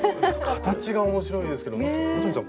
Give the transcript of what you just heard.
形が面白いですけど野谷さん